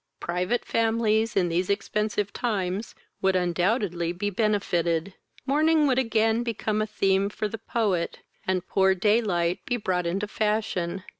Private families, in these expensive times, would undoubtedly be benefited. Morning would again become a theme for the poet, and poor day light be brought into fashion.